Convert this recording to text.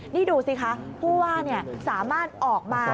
นี่ดูสิคะผู้ว่าสามารถออกมา